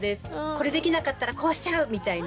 これできなかったらこうしちゃう！みたいな。